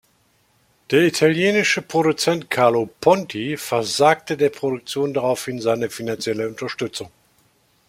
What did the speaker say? Der italienische Produzent Carlo Ponti versagte der Produktion daraufhin seine finanzielle Unterstützung.